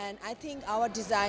dengan perancang busana bangladesh